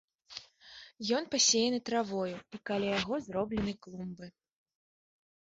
Ён пасеяны травою, і каля яго зроблены клумбы.